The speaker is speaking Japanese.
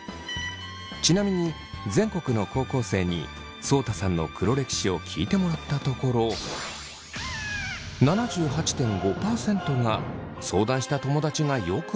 ちなみに全国の高校生にそうたさんの黒歴史を聞いてもらったところ７８．５％が相談した友だちがよくなかったとジャッジしました。